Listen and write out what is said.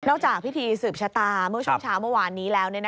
จากพิธีสืบชะตาเมื่อช่วงเช้าเมื่อวานนี้แล้ว